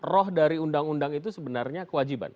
roh dari undang undang itu sebenarnya kewajiban